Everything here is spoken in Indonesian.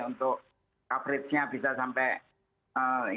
untuk coverage nya bisa sampai